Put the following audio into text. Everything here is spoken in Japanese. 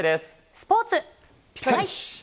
スポーツ。